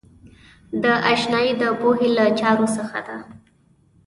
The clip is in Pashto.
دا آشنایۍ د پوهې له چارو څخه ده.